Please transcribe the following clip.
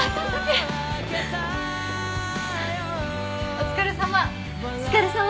お疲れさま！